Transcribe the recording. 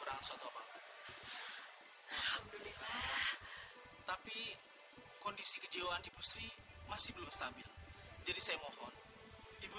orang suatu apa alhamdulillah tapi kondisi kejiwaan ibu sri masih belum stabil jadi saya mohon ibu